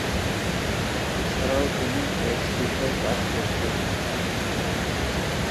এছাড়াও তিনি এইডস বিষয়ে কাজ করেছেন।